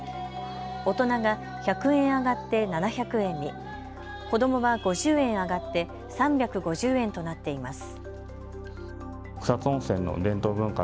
大人が１００円上がって７００円に、子どもは５０円上がって３５０円となっています。